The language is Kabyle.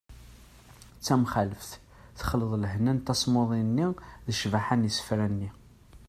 d tamxaleft : texleḍ lehna n tasmuḍi-nni d ccbaḥa n yisefra-nni